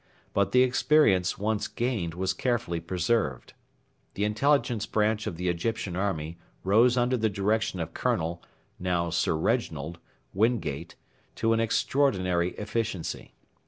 But the experience, once gained, was carefully preserved. The Intelligence Branch of the Egyptian army rose under the direction of Colonel (now Sir Reginald) Wingate to an extraordinary efficiency.